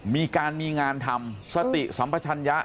มีการมีงานทำสติสัมปชัญญะ